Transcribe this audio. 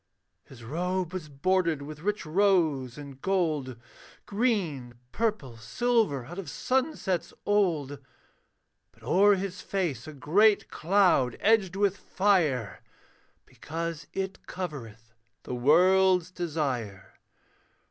His robe was bordered with rich rose and gold, Green, purple, silver out of sunsets old; But o'er his face a great cloud edged with fire, Because it covereth the world's desire.